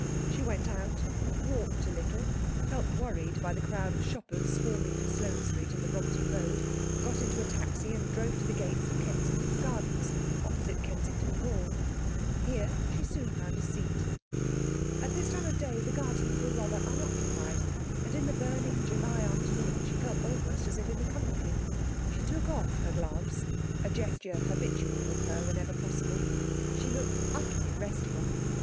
She went out, walked a little, felt worried by the crowd of shoppers swarming to Sloane Street and the Brompton Road, got into a taxi and drove to the gate of Kensington Gardens, opposite Kensington Gore. Here she soon found a seat. At this time of the day the gardens were rather unoccupied, and in the burning July afternoon she felt almost as if in the country. She took off her gloves a gesture habitual with her whenever possible. She looked utterly restful.